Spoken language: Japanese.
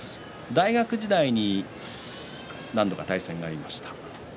大学時代に何度か対戦がありました。